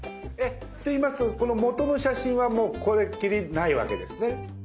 ⁉って言いますとこの元の写真はもうこれっきりないわけですね。